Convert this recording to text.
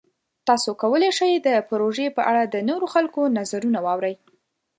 تاسو کولی شئ د پروژې په اړه د نورو خلکو نظرونه واورئ.